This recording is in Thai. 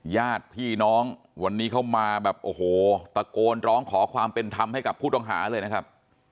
ญาติพี่น้องวันนี้เขามาแบบโอ้โหตะโกนร้องขอความเป็นธรรมให้กับผู้ต้องหาเลยนะครับ